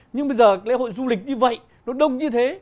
nhưng bây giờ lễ hội du lịch như vậy nó đông như thế